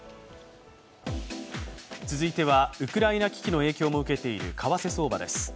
続いてはウクライナ危機の影響も受けている為替相場です。